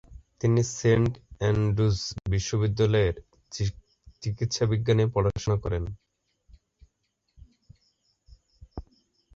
তিনি Saint Andrews বিশ্ববিদ্যালয়ে চিকিৎসাবিজ্ঞানে পড়াশোনা করেন।